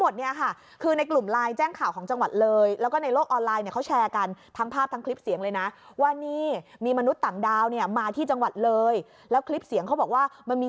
โดยมีที่จังหวัดเลยแล้วคลิปเสี่ยงเขาบอกว่ามันมี